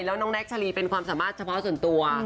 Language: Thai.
แล้วน้องแท็กชาลีเป็นความสามารถเฉพาะส่วนตัว